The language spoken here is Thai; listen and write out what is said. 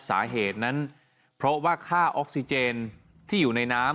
สาเหตุนั้นเพราะว่าค่าออกซิเจนที่อยู่ในน้ำ